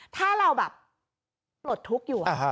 ถ้าเราแบบปลดทุกข์อยู่